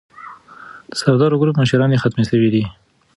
د سردارو ګروپ مشراني ختمه سوې ده.